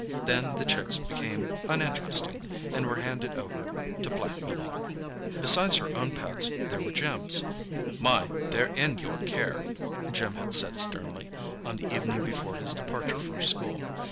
Then the chicks became uninteresting, and were handed over to Black Billy. Besides her own pets there were Jim's. "Mind, they're in your care," Jim had said sternly, on the evening before his departure for school.